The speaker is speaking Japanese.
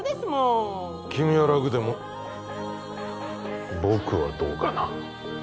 君は楽でも僕はどうかな。